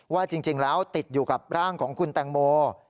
ว่าจริงแล้วติดอยู่กับร่างของคุณแตงโม